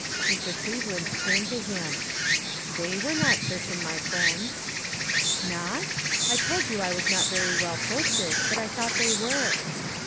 Mr. Cleveland turned to him. " They were not certain, my friend." "Not? I told you I was not very well posted, but I thought they were."